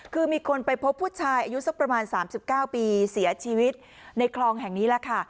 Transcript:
คือมีคนไปพบผู้ชายอายุสักประมาณ๓๙ปีเสียชีวิตในคลองแห่งนี้แหละค่ะ